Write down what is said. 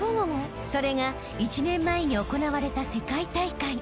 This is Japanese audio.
［それが１年前に行われた世界大会］